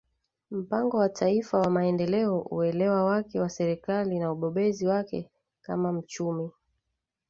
Mpango wa Taifa wa Maendeleo uelewa wake wa serikali na ubobezi wake kama mchumi